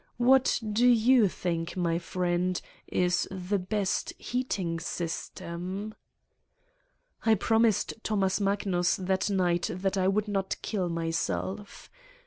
What do you think, my friend, is the best heating system? I promised Thomas Magnus that night that I would not kill myself.